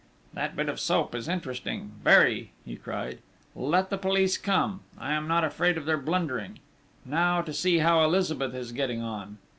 "That bit of soap is interesting very!" he cried. "Let the police come! I am not afraid of their blundering!... Now to see how Elizabeth is getting on!"